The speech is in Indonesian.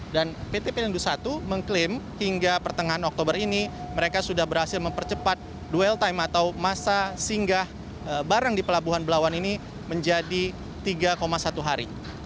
pt pelindung satu mengklaim hingga pertengahan oktober ini mereka sudah berhasil mempercepat duel time atau masa singgah barang di pelabuhan belawan ini menjadi tiga satu hari